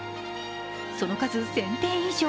その数、１０００点以上。